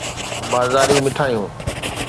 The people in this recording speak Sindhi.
بازاري مٺايون